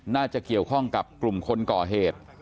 น่าจะเกี่ยวข้องกับกลุ่มคนก่อเหตุ